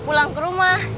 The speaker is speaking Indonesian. pulang ke rumah